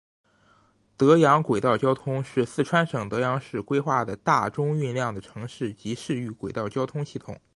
德阳轨道交通是四川省德阳市规划的大中运量的城市及市域轨道交通系统。